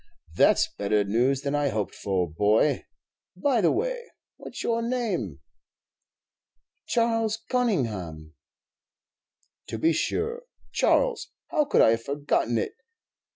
"That 's better news than I hoped for, boy. By the way, what's your name?" "Charles Conyngham." "To be sure, Charles; how could I have forgotten it!